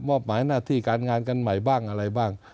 หมายหน้าที่การงานกันใหม่บ้างอะไรบ้าง